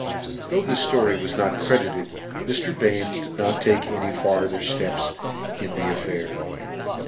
Though this (lory was net credited, Mr. Bains did ,not take any farther Heps in the affair.